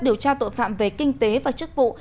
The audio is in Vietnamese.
điều tra tội phạm về kinh tế và chức vụ